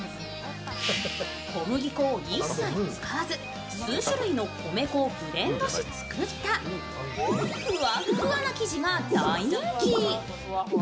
小麦粉を一切使わず数種類の米粉をブレンドし作ったふわっふわな生地が大人気。